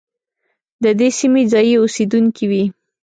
د دې سیمې ځايي اوسېدونکي وي.